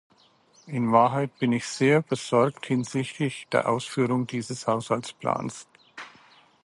In Wahrheit bin ich sehr besorgt hinsichtlich der Ausführung dieses Haushaltsplans.